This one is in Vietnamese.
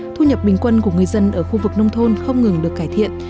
thu nhập bình quân của người dân ở khu vực nông thôn không ngừng được cải thiện